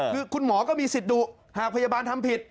คือคุณหมอก็มีสิทธิ์ดุหากพยาบาลทำผิด